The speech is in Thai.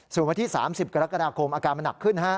ส่วนวันที่๓๐กรกฎาคมอาการมันหนักขึ้น